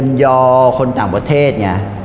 ยนยาของต่างประเทศเนี่ย